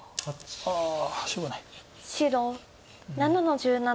白７の十七。